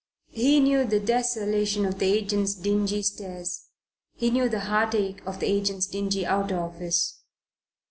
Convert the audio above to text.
He knew the desolation of the agent's dingy stairs; he knew the heartache of the agent's dingy outer office.